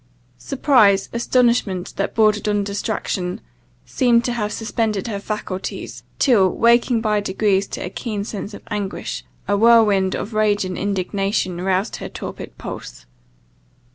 Surprise, astonishment, that bordered on distraction, seemed to have suspended her faculties, till, waking by degrees to a keen sense of anguish, a whirlwind of rage and indignation roused her torpid pulse.